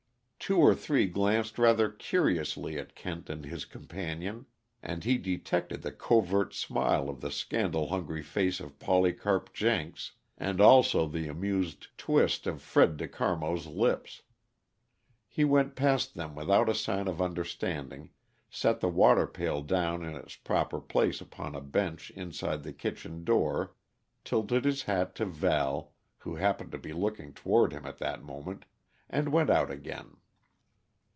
Two or three glanced rather curiously at Kent and his companion, and he detected the covert smile on the scandal hungry face of Polycarp Jenks, and also the amused twist of Fred De Garmo's lips. He went past them without a sign of understanding, set the water pail down in its proper place upon a bench inside the kitchen door, tilted his hat to Val, who happened to be looking toward him at that moment, and went out again.